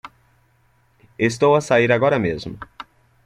Estou a sair agora mesmo.